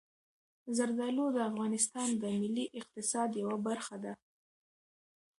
زردالو د افغانستان د ملي اقتصاد یوه برخه ده.